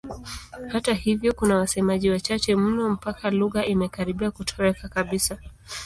Hata hivyo kuna wasemaji wachache mno mpaka lugha imekaribia kutoweka kabisa.